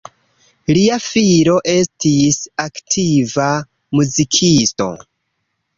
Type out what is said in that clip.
Lia filo estis aktiva muzikisto.